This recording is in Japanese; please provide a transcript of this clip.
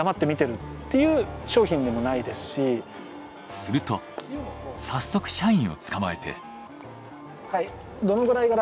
すると早速社員をつかまえて。